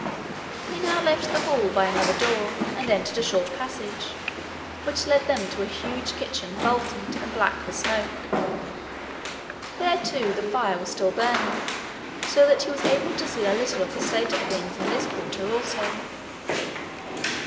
They now left the hall by another door, and entered a short passage, which led them to the huge kitchen, vaulted and black with smoke. There, too, the fire was still burning, so that he was able to see a little of the state of things in this quarter also.